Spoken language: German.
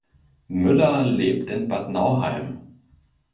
Müller lebt in Bad Nauheim.